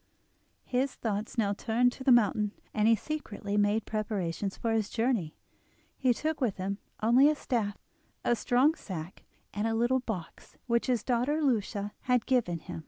His thoughts now turned to the mountain, and he secretly made preparations for his journey. He took with him only a staff, a strong sack, and a little box which his daughter Lucia had given him.